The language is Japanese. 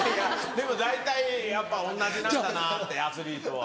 でも大体やっぱ同じなんだなってアスリートは。